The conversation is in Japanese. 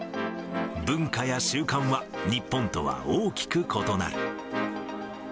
文化や習慣は、日本とは大きく異なる。